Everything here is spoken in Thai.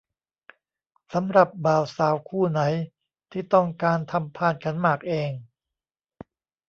สำหรับบ่าวสาวคู่ไหนที่ต้องการทำพานขันหมากเอง